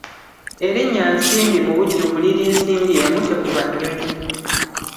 Erinnya Nsimbi mubujjuvu liri Nsimbi emu tekuba nnyonyi.